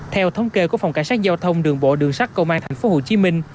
theo thống kê của phòng cảnh sát giao thông đường bộ đường sắt cầu mang tp hcm